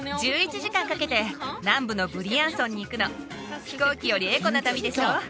１１時間かけて南部のブリアンソンに行くの飛行機よりエコな旅でしょ